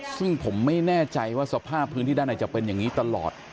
ซึ่งผมไม่แน่ใจว่าสภาพพื้นที่ด้านในจะเป็นอย่างนี้ตลอด